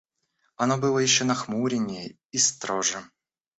Оно было еще нахмуреннее и строже.